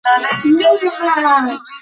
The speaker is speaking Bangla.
তার বড় ভাই ঢাকা বিশ্ববিদ্যালয়ে পড়ে।